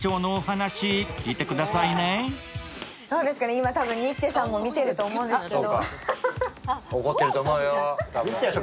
今、多分ニッチェさんも見てると思いますけど。